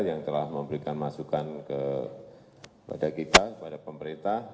yang telah memberikan masukan kepada kita kepada pemerintah